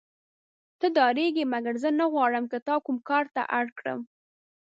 ته ډارېږې مګر زه نه غواړم تا کوم کار ته اړ کړم.